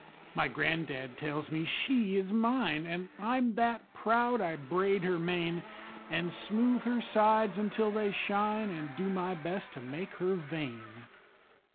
My gran'dad tells me she is mine, An' I'm that proud! I braid her mane, An' smooth her sides until they shine, An' do my best to make her vain.